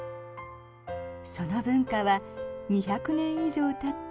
その文化は２００年以上たった